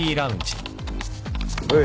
おい。